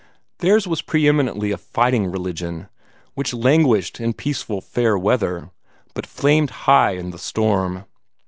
Theirs was pre eminently a fighting religion, which languished in peaceful fair weather, but flamed high in the storm.